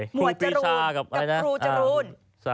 วดจรูนกับครูจรูน